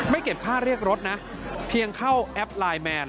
เก็บค่าเรียกรถนะเพียงเข้าแอปไลน์แมน